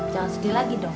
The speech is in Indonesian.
jangan sedih lagi dong